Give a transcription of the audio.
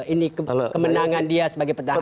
ini kemenangan dia sebagai petahana